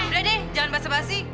udah deh jangan basah basi